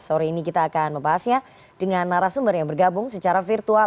sore ini kita akan membahasnya dengan narasumber yang bergabung secara virtual